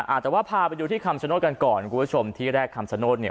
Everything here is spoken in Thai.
อาจจะพาไปดูที่คำชโนธกันก่อนคุณผู้ชมที่แรกคำชโนธเนี่ย